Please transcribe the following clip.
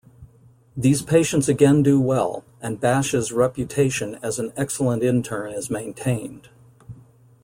These patients again do well, and Basch's reputation as an excellent intern is maintained.